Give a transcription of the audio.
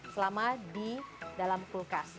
selama di dalam kulkas